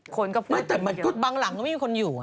คนก็พูดตัวเดียวแต่มันกุฎบางหลังก็ไม่มีคนอยู่